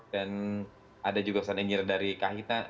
dan ada juga san enyir dari kahitna